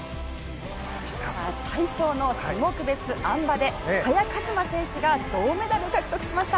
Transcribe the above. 体操の種目別あん馬で萱和磨選手が銅メダルを獲得しました。